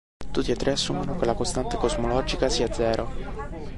Tutti e tre assumono che la costante cosmologica sia zero.